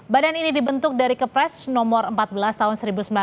badan ini dibentuk dari kepres nomor empat belas tahun seribu sembilan ratus sembilan puluh